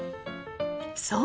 そう！